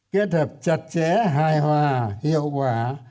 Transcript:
kết hợp chặt chẽ hài hòa hiệu quả